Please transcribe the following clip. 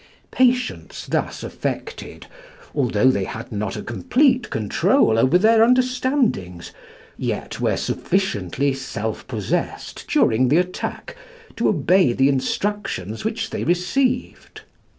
Patients thus affected, although they had not a complete control over their understandings, yet were sufficiently self possessed during the attack to obey the directions which they received.